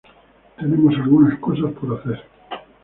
Tenemos algunas cosas por hacer.